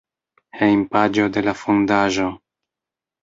Hejmpaĝo de la fondaĵo.